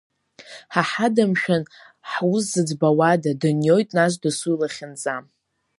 Ҳа ҳада, мшәан, ҳус зыӡбауада, даниоит нас дасу илахьынҵа!